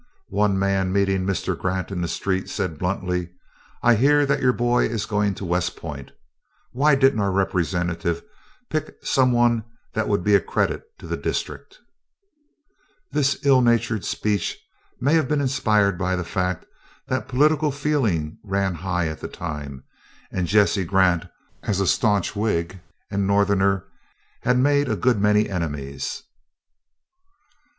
One man meeting Mr. Grant in the street, said bluntly: "I hear that your boy is going to West Point. Why didn't our Representative pick some one that would be a credit to the district?" This ill natured speech may have been inspired by the fact that political feeling ran high at that time; and Jesse Grant as a staunch Whig and Northerner had made a good many enemies.